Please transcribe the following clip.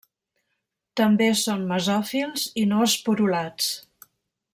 També són mesòfils i no esporulats.